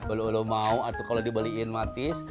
olah olah mau atau kalo dibeliin mak tis